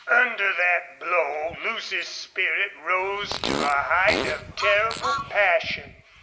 Under that blow Lucy's spirit rose to a height of terrible passion.